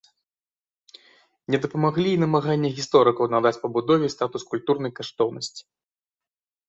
Не дапамаглі і намаганні гісторыкаў надаць пабудове статус культурнай каштоўнасці.